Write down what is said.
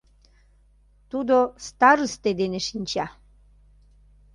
Тудо старысте дене шинча!..